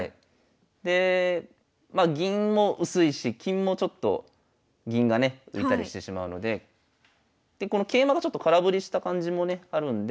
でまあ銀も薄いし金もちょっと銀がね浮いたりしてしまうのででこの桂馬がちょっと空振りした感じもねあるんで。